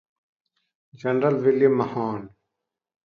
General William Mahone.